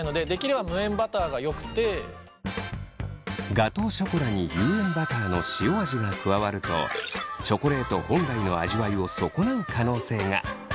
ガトーショコラに有塩バターの塩味が加わるとチョコレート本来の味わいを損なう可能性が。